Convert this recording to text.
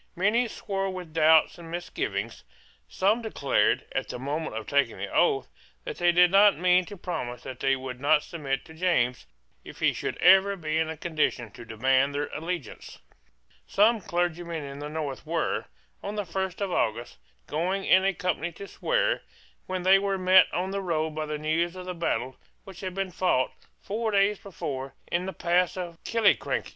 Many swore with doubts and misgivings, Some declared, at the moment of taking the oath, that they did not mean to promise that they would not submit to James, if he should ever be in a condition to demand their allegiance, Some clergymen in the north were, on the first of August, going in a company to swear, when they were met on the road by the news of the battle which had been fought, four days before, in the pass of Killiecrankie.